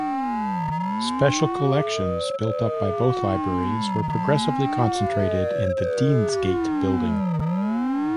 Special collections built up by both libraries were progressively concentrated in the Deansgate building.